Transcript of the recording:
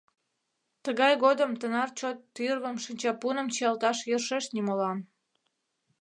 Тыгай годым тынар чот тӱрвым, шинчапуным чиялташ йӧршеш нимолан.